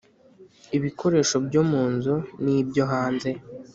i bikoresho byo mu nzu n'byo hanze